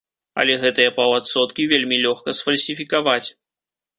Але гэтыя паўадсоткі вельмі лёгка сфальсіфікаваць.